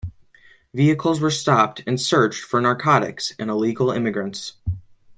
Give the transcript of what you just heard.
Vehicles were stopped and searched for narcotics and illegal immigrants.